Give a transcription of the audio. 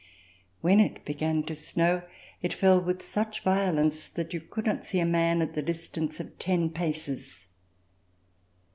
When it began to snow, it fell with such violence that you could not see a man at the distance of ten paces.